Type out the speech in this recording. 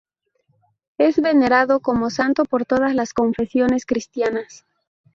Es venerado como santo por todas las confesiones cristianas.